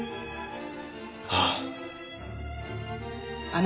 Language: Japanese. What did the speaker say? ああ。